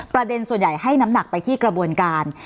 ส่วนใหญ่ให้น้ำหนักไปที่กระบวนการ